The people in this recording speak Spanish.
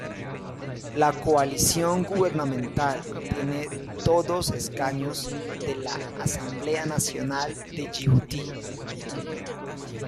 La coalición gubernamental tiene todos escaños de la Asamblea Nacional de Yibuti.